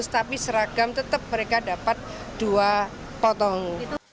tapi seragam tetap mereka dapat dua potong